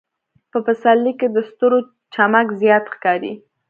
په پسرلي کې د ستورو چمک زیات ښکاري.